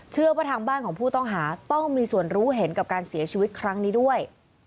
เชื่อว่าทางบ้านของผู้ต้องหาต้องมีส่วนรู้เห็นกับการเสียชีวิตครั้งนี้ด้วย